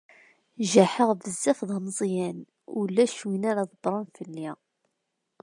Jaḥeɣ bezzaf d ameẓyan, ulac win ara idebbṛen fell-i.